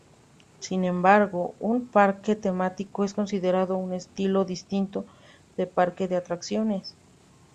Sin embargo, un parque temático es considerado un estilo distinto de parque de atracciones.